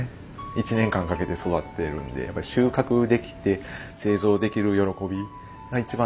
１年間かけて育てているんでやっぱり収穫できて製造できる喜びが一番